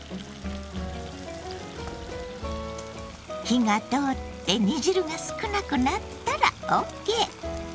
火が通って煮汁が少なくなったらＯＫ。